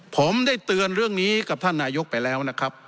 ผมได้เตือนเรื่องนี้กับท่านนายกไปแล้วนะครับ